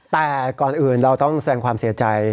แต่ก่อนอื่นเราต้องแสงความเสียใจ